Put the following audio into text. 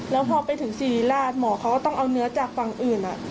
แล้วพอไปถึงสิริราชหมอเขาก็ต้องเอาเนื้อจากฝั่งอื่น